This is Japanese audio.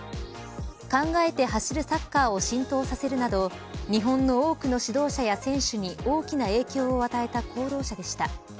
考えて走るサッカーを浸透させるなど日本の多くの指導者や選手に大きな影響を与えた功労者でした。